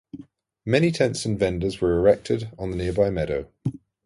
Many tents and vendors were erected on the nearby meadow.